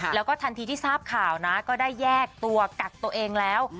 แล้วก็ทันทีที่ทราบข่าวนะก็ได้แยกตัวกักตัวเองแล้ว